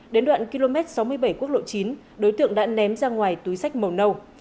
đến đoạn km sáu mươi bảy quốc lộ chín đối tượng đã ném ra ngoài túi sách màu nâu